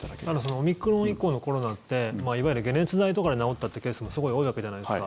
オミクロン以降のコロナっていわゆる解熱剤とかで治ったというケースもすごい多いわけじゃないですか。